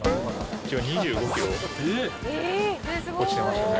２５キロ落ちてましたね。